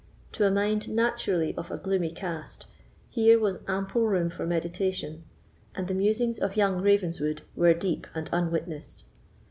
To a mind naturally of a gloomy cast here was ample room for meditation, and the musings of young Ravenswood were deep and unwitnessed.